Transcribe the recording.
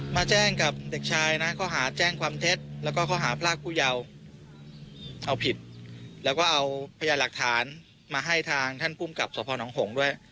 มาแจ้งกับเด็กชายนะข้อหาแจ้งความเท็จแล้วก็ข้อหาพรากผู้เยาว์เอาผิดแล้วก็เอาพยานหลักฐานมาให้ทางท่านภูมิกับสพนหงษ์ด้วย